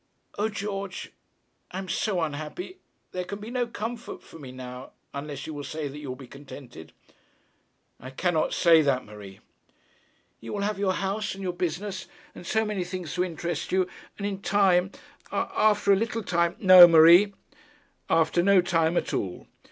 'O George, I am so unhappy! There can be no comfort for me now, unless you will say that you will be contented.' 'I cannot say that, Marie.' 'You will have your house, and your business, and so many things to interest you. And in time, after a little time ' 'No, Marie, after no time at all.